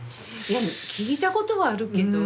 でも聞いたことはあるけど。